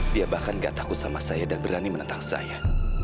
dia bahkan gak takut sama saya dan berani menentang saya